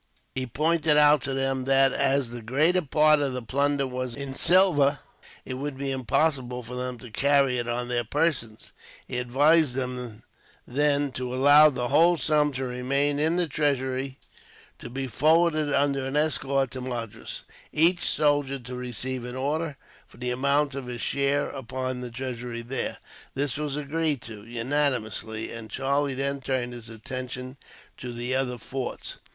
He pointed out to them that, as the greater part of the plunder was in silver, it would be impossible for them to carry it on their persons. He advised them, then, to allow the whole sum to remain in the treasury, to be forwarded under an escort to Madras; each soldier to receive an order, for the amount of his share, upon the treasury there. This was agreed to, unanimously, and Charlie then turned his attention to the other forts.